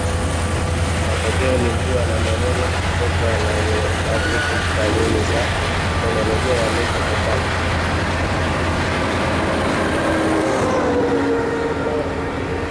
Matokeo ni kuwa na maneno mkopo yanayoafiki kanuni za fonolojia ya lugha kopaji